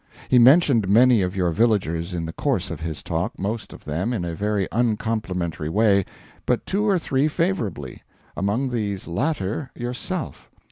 He mentioned many of your villagers in the course of his talk most of them in a very uncomplimentary way, but two or three favourably: among these latter yourself.